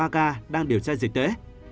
ba ca đang điều tra dịch tễ